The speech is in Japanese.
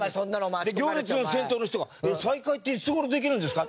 行列の先頭の人が「えっ再開っていつ頃できるんですか？」